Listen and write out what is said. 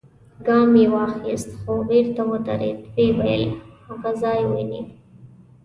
ګام يې واخيست، خو بېرته ودرېد، ويې ويل: هاغه ځای وينې؟